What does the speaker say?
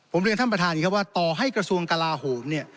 ผมเรียนท่านประธานอย่างนี้ครับว่าต่อให้กระทรวงกลาโหมเนี่ย